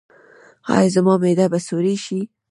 ایا زما معده به سورۍ شي؟